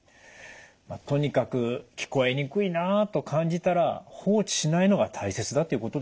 とにかく聞こえにくいなと感じたら放置しないのが大切だということですね。